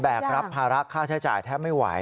กรับภาระค่าใช้จ่ายแทบไม่ไหว